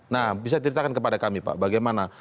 nah bisa ceritakan kepada kami pak bagaimana